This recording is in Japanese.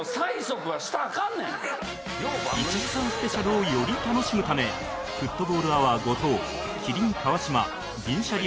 １時間スペシャルをより楽しむためフットボールアワー後藤麒麟川島銀シャリ